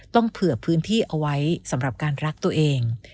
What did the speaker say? ต้องเผื่อพื้นที่เอาไว้สำหรับการรักตัวเอง